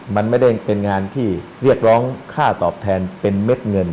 มันไม่ได้เป็นงานที่เรียกร้องค่าตอบแทนเป็นเม็ดเงิน